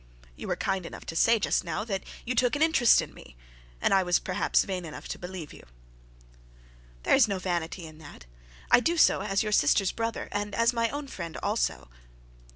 'You were kind enough to say just now that you took an interest in me, and I was perhaps vain enough to believe you.' 'There is no vanity in that; I do so as your sister's brother, and as my own friend also.'